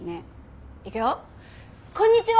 こんにちは！